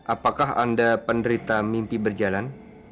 apakah anda penderita mimpi berjalan